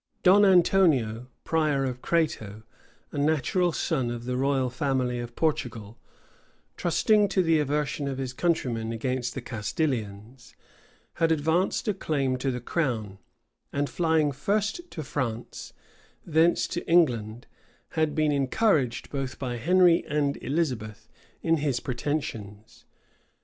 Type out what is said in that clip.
Don Antonio, prior of Crato, a natural son of the royal family of Portugal, trusting to the aversion of his countrymen against the Castilians, had advanced a claim to the crown; and flying first to France, thence to England, had been encouraged both by Henry and Elizabeth in his pretensions.